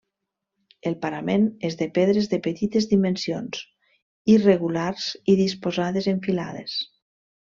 El parament és de pedres de petites dimensions, irregulars i disposades en filades.